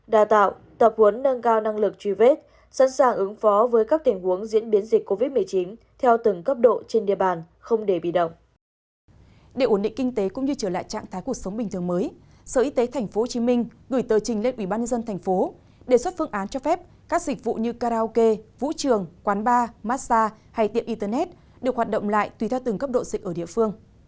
để ổn định kinh tế cũng như trở lại trạng thái cuộc sống bình thường mới sở y tế tp hcm gửi tờ trình lên ubnd tp hcm đề xuất phương án cho phép các dịch vụ như karaoke vũ trường quán bar massage hay tiệm internet được hoạt động lại tùy theo từng cấp độ dịch ở địa phương